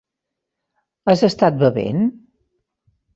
Has estat bevent?